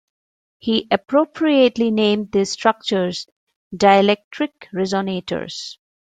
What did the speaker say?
He appropriately named these structures "dielectric resonators".